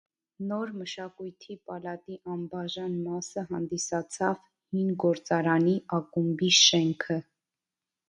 Նոր մշակույթի պալատի անբաժան մասը հանդիսացավ հին գործարանի ակումբի շենքը։